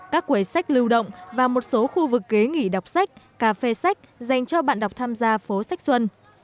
các quầy sách lưu động và một số khu vực ghế nghỉ đọc sách cà phê sách dành cho bạn đọc tham gia phố sách xuân